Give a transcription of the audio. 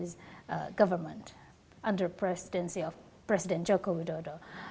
di bawah presidensi presiden joko widodo